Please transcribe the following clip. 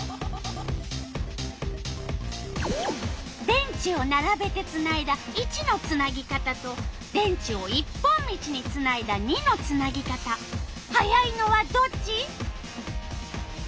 電池をならべてつないだ①のつなぎ方と電池を一本道につないだ②のつなぎ方速いのはどっち？